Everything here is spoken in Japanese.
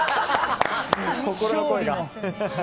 心の声が。